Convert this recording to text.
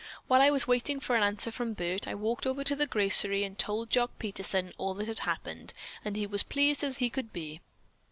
"While I was waiting for an answer from Bert, I walked over to the grocery and told Jock Peterson all that had happened, and he was as pleased as he could be.